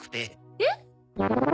えっ？